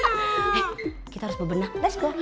eh kita harus bebenah let's go